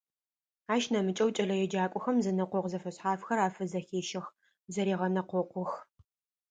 Ащ нэмыкӀэу кӀэлэеджакӀохэм зэнэкъокъу зэфэшъхьафхэр афызэхещэх, зэрегъэнэкъокъух.